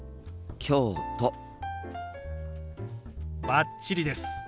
バッチリです。